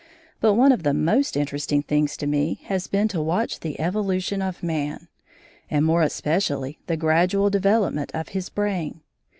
But one of the most interesting things to me has been to watch the evolution of man, and more especially the gradual development of his brain.